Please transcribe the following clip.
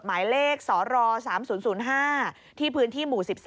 หมายเลขสร๓๐๐๕ที่พื้นที่หมู่๑๓